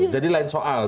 jadi lain soal